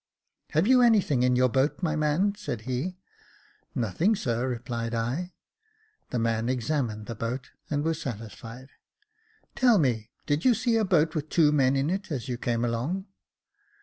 " Have you anything in your boat, my man ?" said he. " Nothing, sir," replied I. The man examined the boat, and was satisfied. " Tell me, did you see a boat with two men in it as you came along